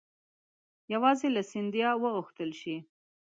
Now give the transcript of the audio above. یوازې له سیندهیا وغوښتل شي.